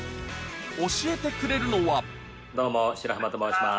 教えてくれるのはどうも。